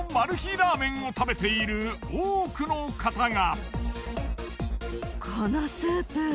ラーメンを食べている多くの方が。